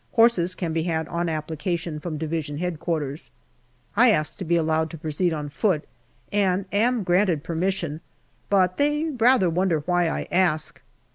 Horses can be had on application from D.H.Q. I ask to be allowed to proceed on foot, and am granted permission, but they rather wonder why I ask.